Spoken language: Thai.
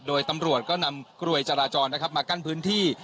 โดยตำรวจก็นำกลวยจราจรนะครับมากั้นพื้นที่